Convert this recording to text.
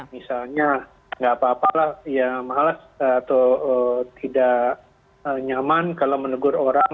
misalnya nggak apa apa lah ya malas atau tidak nyaman kalau menegur orang